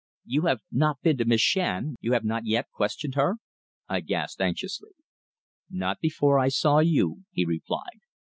"You have not been to Miss Shand you have not yet questioned her?" I gasped anxiously. "Not before I saw you," he replied.